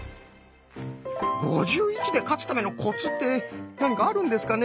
「５１」で勝つためのコツって何かあるんですかね？